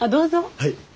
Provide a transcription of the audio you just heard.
はい。